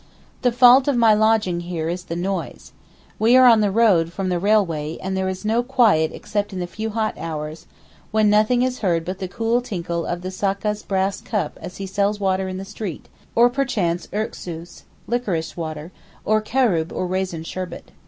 The fault of my lodging here is the noise. We are on the road from the railway and there is no quiet except in the few hot hours, when nothing is heard but the cool tinkle of the Sakka's brass cup as he sells water in the street, or perchance erksoos (liquorice water), or caroub or raisin sherbet.